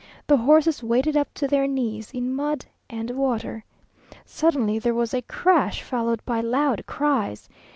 The horses waded up to their knees in mud and water. Suddenly there was a crash, followed by loud cries.